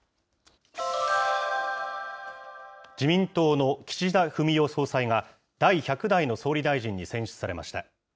自民党の岸田文雄総裁が、第１００代の総理大臣に選出されました。